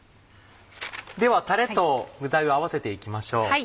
ではタレと具材を合わせて行きましょう。